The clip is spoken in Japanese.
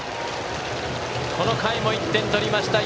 この回も１点取りました。